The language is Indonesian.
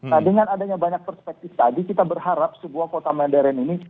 nah dengan adanya banyak perspektif tadi kita berharap sebuah kota modern ini